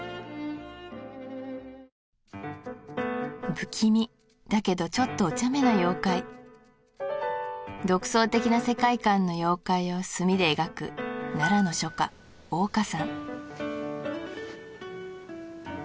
不気味だけどちょっとおちゃめな妖怪独創的な世界観の妖怪を墨で描く奈良の書家逢香さん